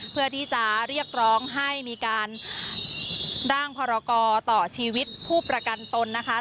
เพื่อที่จะเรียกร้องให้มีการร่างพรกรต่อชีวิตผู้ประกันตนนะคะ